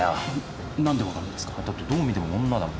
だってどう見ても女だもん。